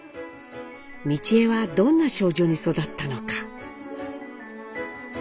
美智榮はどんな少女に育ったのか？